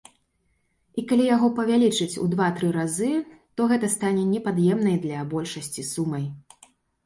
І калі яго павялічыць ў два-тры разы, то гэта стане непад'ёмнай для большасці сумай.